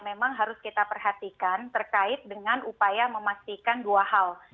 memang harus kita perhatikan terkait dengan upaya memastikan dua hal